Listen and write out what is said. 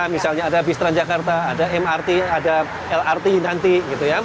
misalnya ada bistran jakarta ada mrt ada lrt nanti